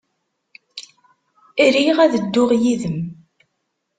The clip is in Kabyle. Riɣ ad dduɣ yid-m.